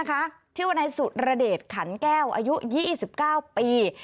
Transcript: ชื่อว่านายสุรเดชขันแก้วอายุ๒๙ปี